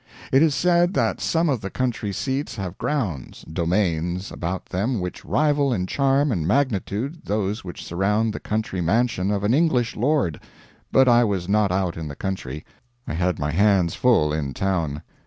It is said that some of the country seats have grounds domains about them which rival in charm and magnitude those which surround the country mansion of an English lord; but I was not out in the country; I had my hands full in town.